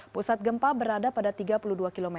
pusat gempa berada pada tiga puluh dua km